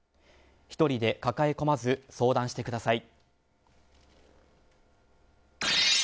１人で抱え込まず相談してください。